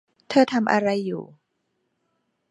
เธอทำอะไรอยู่